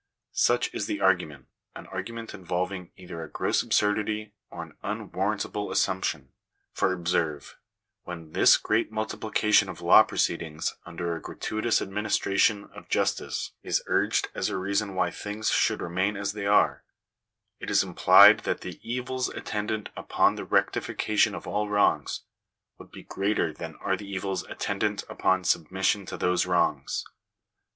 Such is the argument; an argument involving either a gross absurdity or an unwarrantable assumption. For observe: when this great multiplication of law proceedings under a gratuitous administration of justice is urged as a reason why things should remain as they are, it is implied that the evils attendant upon the rectification of all wrongs, would be greater than are the evils attendant upon submission to those wrongs.